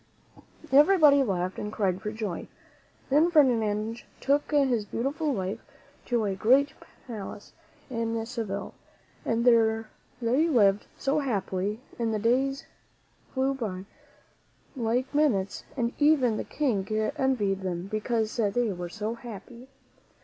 Everybody laughed and cried for joy. Then Ferdinand took his beautiful wife to a great palace in Seville, and there they lived so happily that the days flew by like minutes, and even the King envied them because they were so happy.